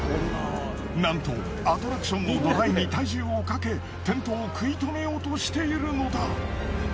なんとアトラクションの土台に体重をかけ転倒を食い止めようとしているのだ。